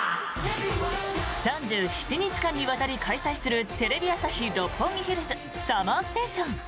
３７日間にわたり開催するテレビ朝日・六本木ヒルズＳＵＭＭＥＲＳＴＡＴＩＯＮ。